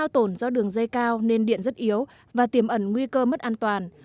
do tổn do đường dây cao nên điện rất yếu và tiềm ẩn nguy cơ mất an toàn